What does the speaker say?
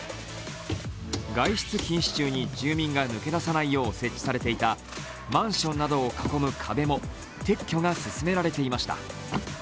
外出禁止中に住民が抜け出さないよう設置されていたマンションなどを囲む壁も撤去が進められていました。